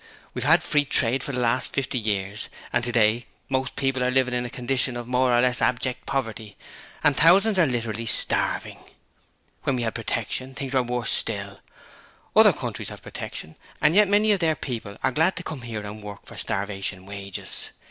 We've had Free Trade for the last fifty years and today most people are living in a condition of more or less abject poverty, and thousands are literally starving. When we had Protection things were worse still. Other countries have Protection and yet many of their people are glad to come here and work for starvation wages.